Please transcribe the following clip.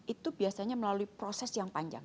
itu biasanya melalui proses yang panjang